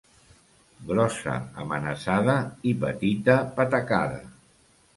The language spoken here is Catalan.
Grossa amenaçada i petita patacada.